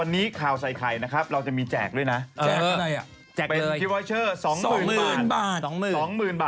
นี่มีอยู่นะ